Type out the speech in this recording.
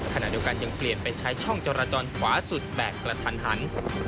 ขณะเดียวกันยังเปลี่ยนไปใช้ช่องจราจรขวาสุดแบบกระทันหัน